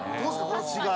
この違い。